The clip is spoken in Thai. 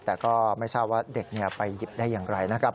แต่ก็ไม่ทราบว่าเด็กไปหยิบได้อย่างไรนะครับ